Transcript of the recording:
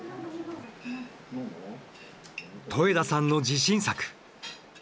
戸枝さんの自信作。